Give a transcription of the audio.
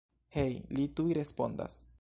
Hej, li tuj respondas.